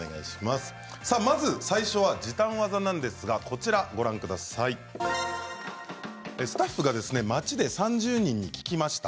まず最初は時短技なんですがスタッフが街で３０人に聞きました。